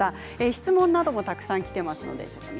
質問などもたくさんきています。